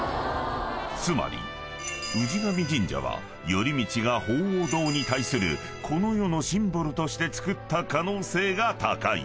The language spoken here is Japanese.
［つまり宇治上神社は頼通が鳳凰堂に対するこの世のシンボルとして造った可能性が高い］